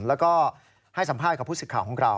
แล้วก็ให้สัมภาษณ์กับผู้สิทธิ์ข่าวของเรา